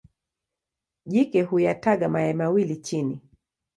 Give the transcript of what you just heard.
Jike huyataga mayai mawili chini.